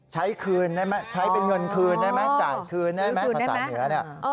ใช้คืนใช้เป็นเงินคืนจ่ายคืนได้ไหมภาษาเหนือ